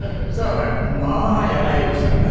まあやり合いましたから。